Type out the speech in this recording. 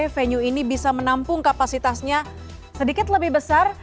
venue ini bisa menampung kapasitasnya sedikit lebih besar